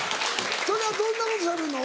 それはどんなことしゃべるの？